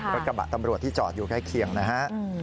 รถกระบะตำรวจที่จอดอยู่ใกล้เคียงนะฮะ